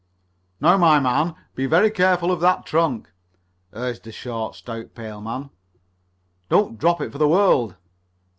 "Now, my man, be very careful of that trunk," urged the short, stout, pale man. "Don't drop it for the world."